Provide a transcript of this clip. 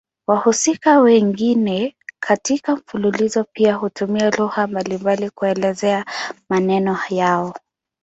Wahusika wengine katika mfululizo pia hutumia lugha mbalimbali kuelezea maneno yao.